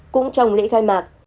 cũng trong lễ khai mạc